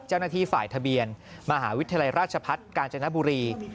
เจ้าหน้าที่ฝ่ายทะเบียนมหาวิทยาลัยราชพัฒน์กาญจนบุรี